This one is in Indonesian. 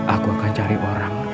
aku akan cari orang